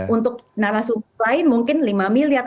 untuk narasumber lain mungkin lima miliar